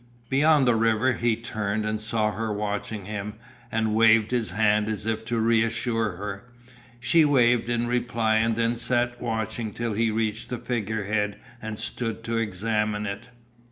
Beyond the river he turned and saw her watching him and waved his hand as if to reassure her. She waved in reply and then sat watching till he reached the figure head and stood to examine it.